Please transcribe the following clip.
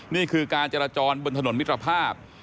นี่คือการจราจรบนถนนมิตรภาพ